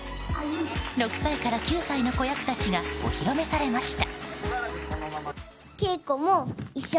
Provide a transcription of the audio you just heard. ６歳から９歳の子役たちがお披露目されました。